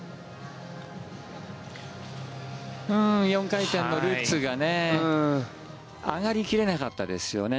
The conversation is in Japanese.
４回転のルッツが上がり切れなかったですよね。